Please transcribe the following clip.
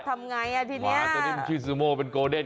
ทำไงอ่ะทีนี้ตัวนี้มันชื่อซูโมเป็นโกเดน